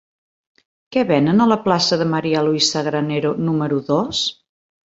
Què venen a la plaça de María Luisa Granero número dos?